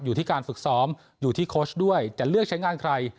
อยู่ที่การฝึกซ้อมอยู่ที่โค้ชด้วยจะเลือกใช้งานใคร